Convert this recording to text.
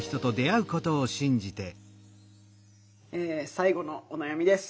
最後のお悩みです。